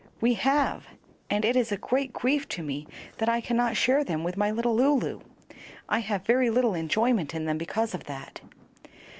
"We have, and it is a great grief to me that I cannot share them with my little Lulu. I have very little enjoyment in them because of that."